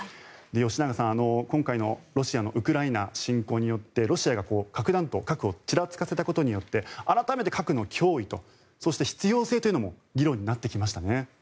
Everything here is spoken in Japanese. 吉永さん、今回のロシアのウクライナ侵攻によってロシアが核弾頭、核をちらつかせたことによって改めて核の脅威とそして必要性というのも議論になってきましたね。